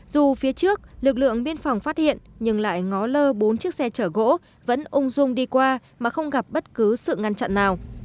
dù phía trước lực lượng biên phòng phát hiện nhưng lại ngó lơ bốn chiếc xe chở gỗ vẫn ung dung đi qua mà không gặp bất cứ sự ngăn chặn nào